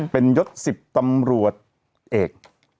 เป็นยศ๑๐ตำรวจเอก